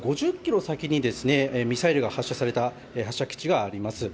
およそ５０ｋｍ先にミサイルが発射された発射基地があります。